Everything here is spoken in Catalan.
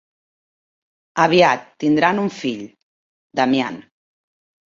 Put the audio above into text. Aviat tindran un fill, Damian.